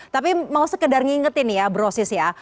tapi mau sekedar ngingetin ya bro sis ya